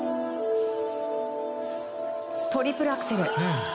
トリプルアクセル。